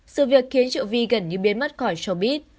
sự việc khiến triệu vi gần như biến mất khỏi showbiz